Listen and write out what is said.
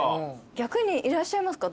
逆にいらっしゃいますか？